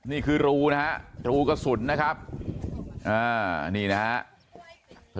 นี่คือรูกระสุนนะครับนี่นะครับ